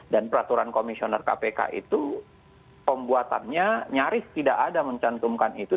dan peraturan komisioner kpk itu pembuatannya nyaris tidak ada mencantumkan itu